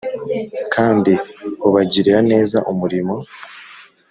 kandi Ubagirira neza Umurimo